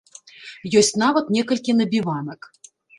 Ёсць нават некалькі набіванак.